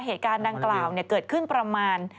เหตุการณ์ดังกล่าวเกิดขึ้นประมาณ